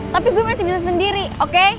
tapi gue masih bisa sendiri oke